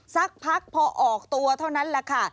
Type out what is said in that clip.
สักพักพอออกตัวเท่านั้นแหละค่ะ